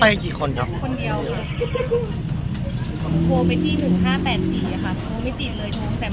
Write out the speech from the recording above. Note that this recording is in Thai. ประมาณนี้หนูก็ตกใจก็แบบทำอะไรไม่ถูกก็เลยแบบ